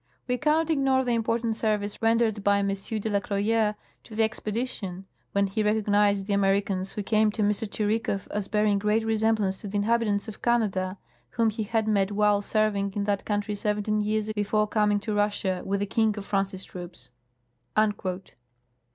We cannot ignore the imj)ortant service rendered by M. de la Croyere to the expedi tion, when he recognized the Americans who came to M. Tschirikow as bearing great resemblance to the inhabitants of Canada, whom he had met while serving in that country seventeen years before coming to Russia, with the King of France's troops." Note.